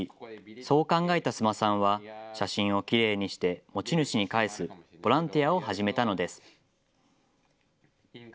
そう考えた須磨さんは写真をきれいにして持ち主に返すボランティアを始めたのです。